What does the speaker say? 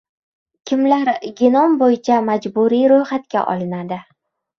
Kimlar genom bo‘yicha majburiy ro‘yxatga olinadi?